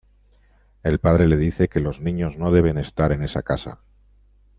El padre le dice que los niños no deben estar en esa casa.